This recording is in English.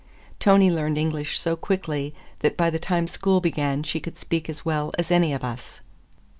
Tony learned English so quickly that by the time school began she could speak as well as any of us.